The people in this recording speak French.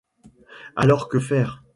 Alors que faire ?